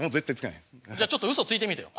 じゃあちょっとうそついてみてよ。